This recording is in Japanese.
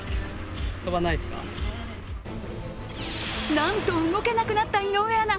なんと、動けなくなった井上アナ。